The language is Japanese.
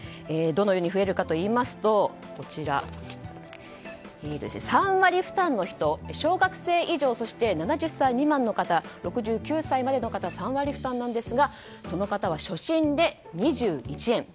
どのように増えるかといいますと３割負担の人、小学生以上そして７０歳未満の方６９歳までの方は３割負担なんですがその方は初診で２１円。